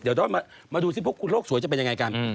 เดี๋ยวต้องมาดูสิพวกคุณโลกสวยจะเป็นยังไงกัน